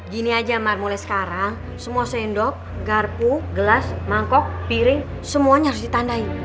gini aja marmule sekarang semua sendok garpu gelas mangkok piring semuanya harus ditandai